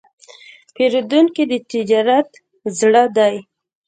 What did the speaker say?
پیرودونکی د تجارت زړه دی.